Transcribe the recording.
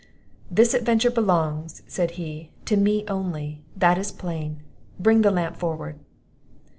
"This adventure belongs," said he, "to me only; that is plain bring the lamp forward."